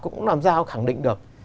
cũng làm ra khẳng định được